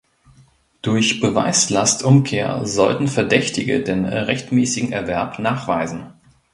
Durch Beweislastumkehr sollten Verdächtige den rechtmäßigen Erwerb nachweisen.